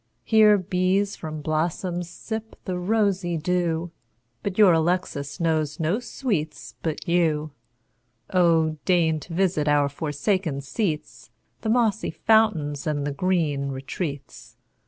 Here bees from blossoms sip the rosy dew, But your Alexis knows no sweets but you. Oh deign to visit our forsaken seats, The mossy fountains, and the green retreats!